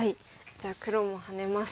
じゃあ黒もハネます。